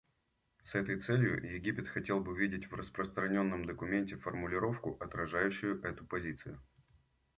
С этой целью Египет хотел бы видеть в распространенном документе формулировку, отражающую эту позицию.